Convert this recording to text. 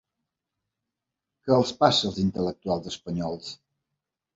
Què els passa, als intel·lectuals espanyols?